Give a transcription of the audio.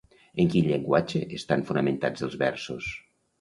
En quin llenguatge estan fonamentats els versos?